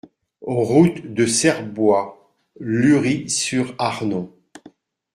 Route de Cerbois, Lury-sur-Arnon